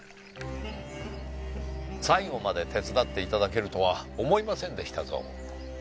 最後まで手伝って頂けるとは思いませんでしたぞ。